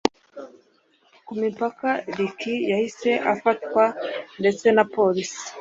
ku mipaka Rick yahise afatwa ndetse police